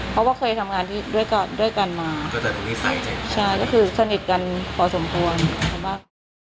เพราะว่าเคยทำงานที่ด้วยกันมาใช่ก็คือสนิทกันพอสมควร